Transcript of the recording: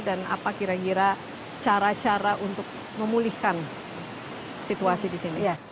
dan apa kira kira cara cara untuk memulihkan situasi disini